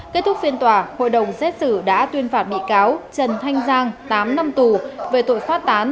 kết thúc phiên tòa hội đồng xét xử đã tuyên phạt bị cáo trần thanh giang tám năm tù về tội phát tán